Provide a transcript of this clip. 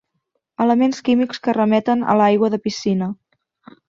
Elements químics que remeten a l'aigua de piscina.